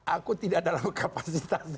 aku tidak dalam kapasitas